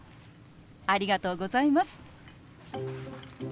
ありがとうございます。